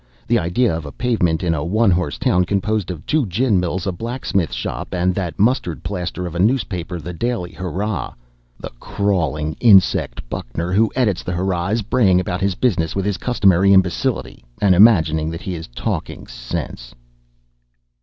The idea of a pavement in a one horse town composed of two gin mills, a blacksmith shop, and that mustard plaster of a newspaper, the Daily Hurrah! The crawling insect, Buckner, who edits the Hurrah, is braying about his business with his customary imbecility, and imagining that he is talking sense.